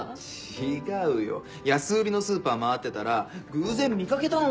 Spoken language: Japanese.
違うよ安売りのスーパー回ってたら偶然見かけたの！